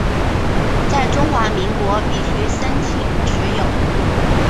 在中华民国必须申请持有。